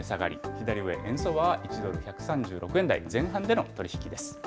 左上、円相場は１ドル１３６円台前半での取り引きです。